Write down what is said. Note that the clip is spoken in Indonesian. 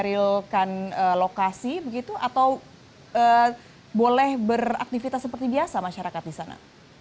mungkin harus menstabilkan lokasi begitu atau boleh beraktivitas seperti biasa masyarakat di sana